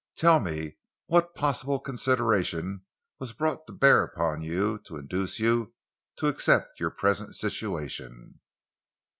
Tell me what possible consideration was brought to bear upon you to induce you to accept your present situation?"